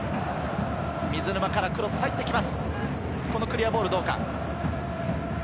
水沼からクロスが入ってきます。